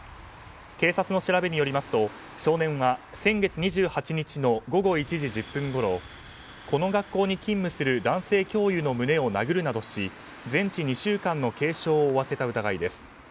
警察の調べによりますと少年は先月２８日の午後１時１０分ごろこの学校に勤務する男性教諭の胸を殴るなどし、全治２週間の軽傷を負わせた疑いです。